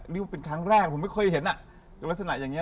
ลืมทั้งแรกผมไม่ค่อยเห็นลักษณะอย่างนี้